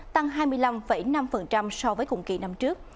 tăng hai mươi năm năm so với cùng kỳ năm trước